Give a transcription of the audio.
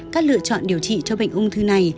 các lựa chọn điều trị cho bệnh ung thư này